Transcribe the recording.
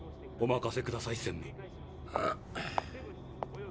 お任せください専務。